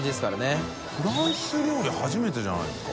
フランス料理初めてじゃないですか？